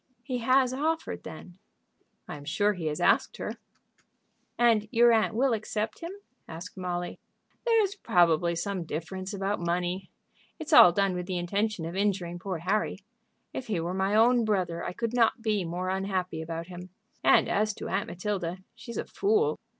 "He has offered, then?" "I am sure he has asked her." "And your aunt will accept him?" asked Molly. "There's probably some difference about money. It's all done with the intention of injuring poor Harry. If he were my own brother I could not be more unhappy about him. And as to Aunt Matilda, she's a fool.